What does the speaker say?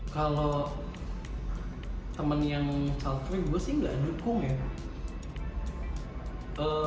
kalau temen yang childfree gue sih nggak dukung ya